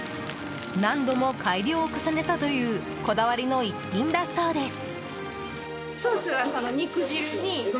何度も改良を重ねたというこだわりの一品だそうです。